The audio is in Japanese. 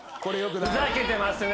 ふざけてますよ。